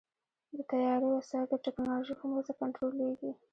د طیارې وسایل د ټیکنالوژۍ په مرسته کنټرولېږي.